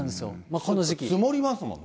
積もりますもんね。